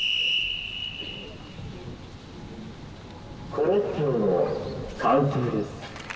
「コロッセオの完成です」。